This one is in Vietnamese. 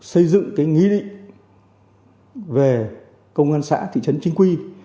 xây dựng cái nghị định về công an xã thị trấn chính quy